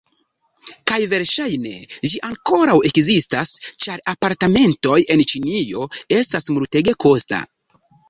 Kaj verŝajne, ĝi ankoraŭ ekzistas ĉar apartamentoj en Ĉinio estas multege kosta.